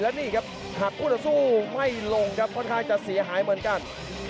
นี่ครับหักคู่ต่อสู้ไม่ลงครับค่อนข้างจะเสียหายเหมือนกัน